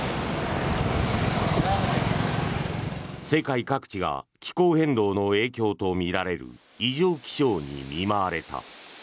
世界各地が気候変動の影響とみられる異常気象に見舞われた。